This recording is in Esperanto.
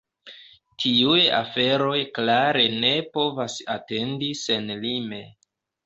Tiuj aferoj klare ne povas atendi senlime.